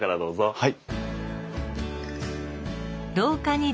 はい。